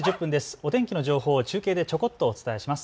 お天気の情報を中継でちょこっとお伝えします。